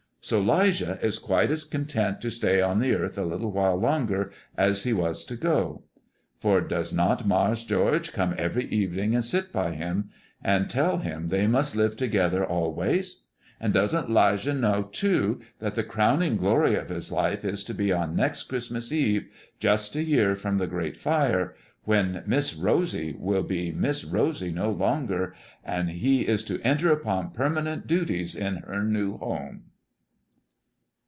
So 'Lijah is quite as content to stay on the earth a little while longer as he was to go. For does not Mars' George come every evening and sit by him, and tell him they must live together always? and doesn't 'Lijah know, too, that the crowning glory of his life is to be on next Christmas Eve, just a year from the great fire, when Miss Rosy will be Miss Rosy no longer, and he is to enter upon permanent duties in her new home?